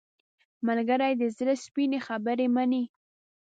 ملګری د زړه سپینې خبرې مني